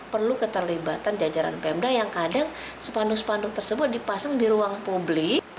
perlu keterlibatan jajaran pemda yang kadang spanduk spanduk tersebut dipasang di ruang publik